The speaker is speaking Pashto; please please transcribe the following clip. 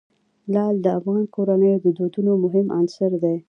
لعل د افغان کورنیو د دودونو مهم عنصر دی.